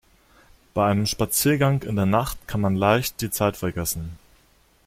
Bei einem Spaziergang in der Nacht kann man leicht die Zeit vergessen.